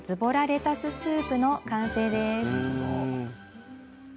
レタススープの完成です。